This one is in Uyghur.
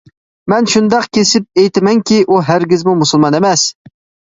مەن شۇنداق كېسىپ ئېيتىمەنكى ئۇ ھەرگىزمۇ مۇسۇلمان ئەمەس.